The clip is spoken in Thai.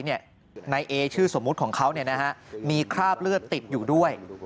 นายเอชื่อสมมุติของเขามีคราบเลือดติดอยู่ด้วย